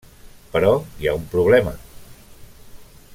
Però hi ha un problema.